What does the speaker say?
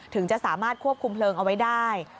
ถึงจะสามารถควบคุมเพลิงเอาไว้ได้